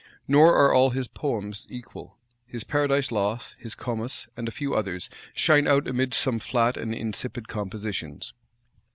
Nor are all his poems equal: his Paradise Lost, his Comus, and a few others, shine out amidst some flat and insipid compositions.